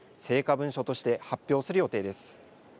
文書として発表する予定です。